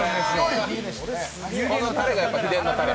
このたれがやっぱり、秘伝のたれ。